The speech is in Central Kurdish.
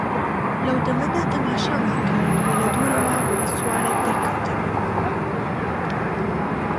لەو دەمەدا تەماشامان کرد وا لە دوورەوە بڕە سوارێک دەرکەوتن.